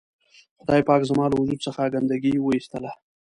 خدای پاک زما له وجود څخه ګندګي و اېستله.